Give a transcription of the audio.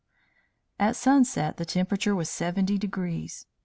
"At sunset, the temperature was 70 degrees.